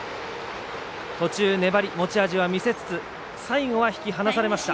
途中、粘り、持ち味は見せつつ最後は引き離されました。